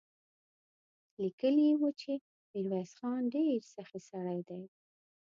ليکلي يې و چې ميرويس خان ډېر سخي سړی دی.